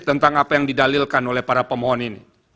tentang apa yang didalilkan oleh para pemohon ini